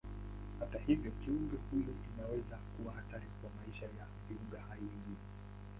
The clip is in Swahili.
Kwa hivyo kiumbe huyu inaweza kuwa hatari kwa maisha ya viumbe hai wengine.